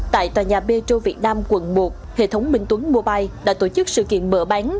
tại tòa nhà petro việt nam quận một hệ thống minh tuấn mobile đã tổ chức sự kiện mở bán